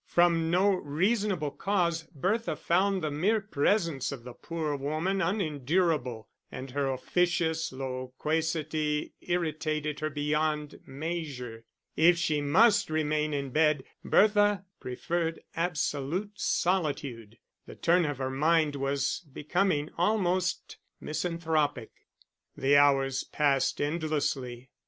From no reasonable cause, Bertha found the mere presence of the poor woman unendurable, and her officious loquacity irritated her beyond measure. If she must remain in bed, Bertha preferred absolute solitude; the turn of her mind was becoming almost misanthropic. The hours passed endlessly.